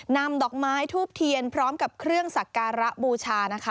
นำดอกไม้ทูบเทียนพร้อมกับเครื่องสักการะบูชานะคะ